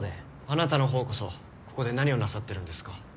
あなたの方こそここで何をなさってるんですか？